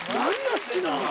何が好きな？